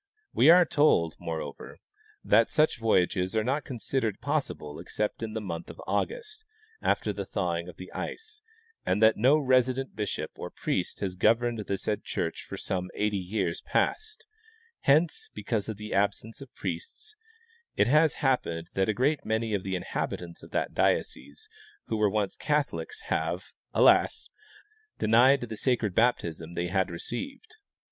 We are told, moreover, that such voyages are not considered possible except in the month of August, after the thawing of the ice, and that no resident bishop or priest has governed the said church for some eighty years past; hence, because of the absence of the priests, it has hap 216 W. E. Curtis — Pre Columbian, Vatican Documents. pened that a great many of the inhabitants of that diocese who were once Catholics 'have, alas! denied the sacred baptism the.y had received.